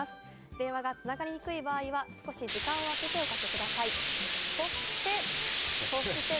電話がつながりにくい場合は少し時間をあけておかけください。